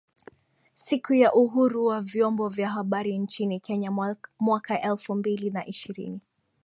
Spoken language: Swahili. Siku ya Uhuru wa Vyombo vya Habari nchini Kenya mwaka elfu mbili na ishirini